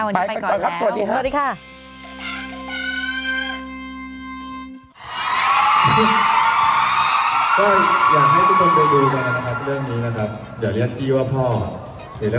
วันนี้ไปก่อนแล้วสวัสดีค่ะ